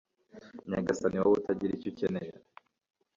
nyagasani, wowe utagira icyo ukenera